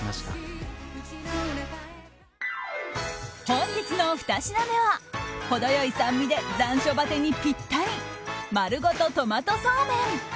本日のふた品目は程良い酸味で残暑バテにぴったり丸ごとトマトそうめん。